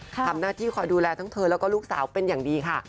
ทำหน้าที่คอยดูแลทั้งเธอแล้วก็ลูกสาวเป็นอย่างดีค่ะ